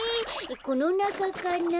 このなかかな？